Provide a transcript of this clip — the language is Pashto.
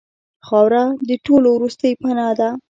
خاوره د ټولو وروستۍ پناه ده.